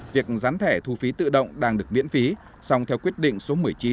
việc gián thẻ thu phí tự động đang được miễn phí song theo quyết định số một mươi chín